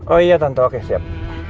oh iya tentu oke siap